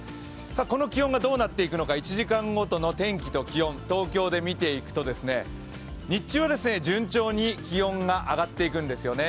この気温がどうなっていくのか、１時間ごとの天気と気温、東京で見ていくと、日中は順調に気温が上がっていくんですよね。